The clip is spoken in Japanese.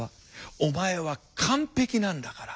「お前は完璧なんだから」